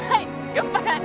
酔っ払い！